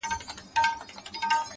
• پر اوږو يې كړ پوستين پسي روان سو ,